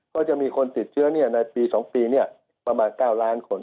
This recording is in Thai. ก็จะมีคนติดเชื้อในปี๒ปีประมาณ๙ล้านคน